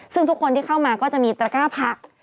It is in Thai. ซึ่งทุกคนที่เข้ามาก็จะมีตระก้าผัก